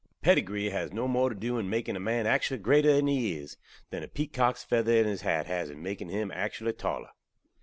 Pedigree haz no more to do in making a man aktually grater than he iz, than a pekok's feather in his hat haz in making him aktually taller.